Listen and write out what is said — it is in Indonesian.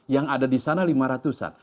yang ada di sana lima ratus an